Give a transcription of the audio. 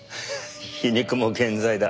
皮肉も健在だ。